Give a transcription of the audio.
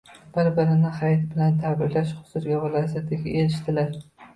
bir-birini hayit bilan tabriklash huzuriga va lazzatiga erishdilar.